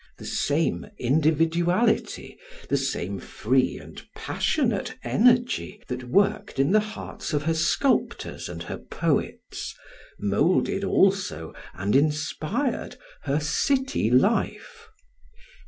The same individuality, the same free and passionate energy that worked in the hearts of her sculptors and her poets, moulded also and inspired her city life.